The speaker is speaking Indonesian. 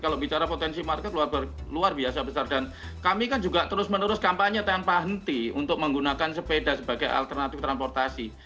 kalau bicara potensi market luar biasa besar dan kami kan juga terus menerus kampanye tanpa henti untuk menggunakan sepeda sebagai alternatif transportasi